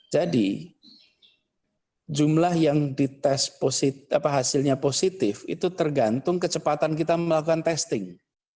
jadi jumlah yang di tes hasilnya positif itu tergantung kecepatan kita melakukan testing